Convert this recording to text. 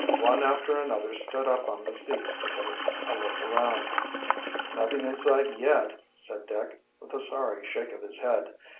One after another stood up on the seats to take a look around. "Nothing in sight yet," said Dick, with a sorry shake of his head.